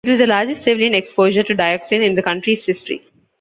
It was the largest civilian exposure to dioxin in the country's history.